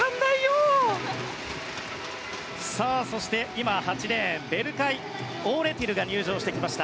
今、８レーンベルカイ・オーレティルが入場してきました。